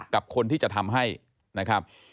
กับคนที่จะทำให้นะครับ